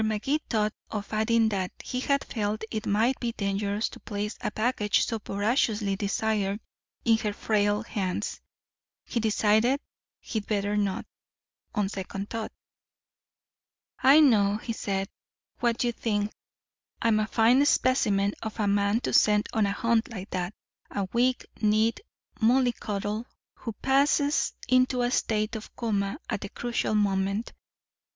Magee thought of adding that he had felt it might be dangerous to place a package so voraciously desired in her frail hands. He decided he'd better not, on second thought. "I know," he said, "what you think. I'm a fine specimen of a man to send on a hunt like that. A weak kneed mollycoddle who passes into a state of coma at the crucial moment.